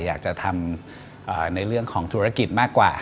อยากจะทำในเรื่องของธุรกิจมากกว่า